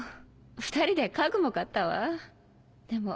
２人で家具も買ったわでも。